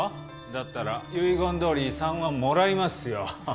だったら遺言どおり遺産はもらいますよ。